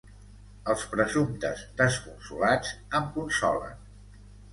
Els presumptes desconsolats em consolen.